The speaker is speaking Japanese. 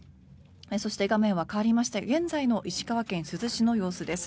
そして画面は変わりまして現在の石川県珠洲市の様子です。